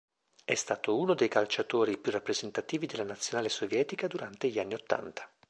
È stato uno dei calciatori più rappresentativi della Nazionale sovietica durante gli anni ottanta.